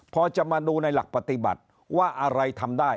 พอจะมาดูในหลักปฏิบัติ